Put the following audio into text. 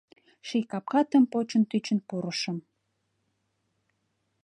Ший капкатым почын-тӱчын пурышым